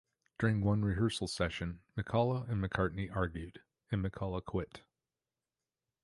During one rehearsal session, McCullough and McCartney argued, and McCullough quit.